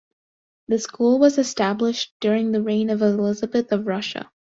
The school was established during the reign of Elizabeth of Russia.